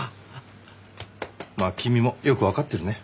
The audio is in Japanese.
まあ君もよくわかってるね。